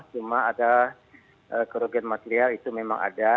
cuma ada kerugian material itu memang ada